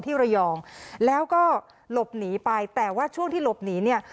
ที่ระยองแล้วก็หลบหนีไปแต่ว่าช่วงที่หลบหนีเนี่ย